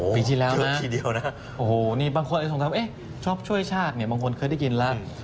ปีที่แล้วนะครับโอ้โฮนี่บางคนสงสัยว่าชอบช่วยชาติบางคนเคยได้ยินแล้ว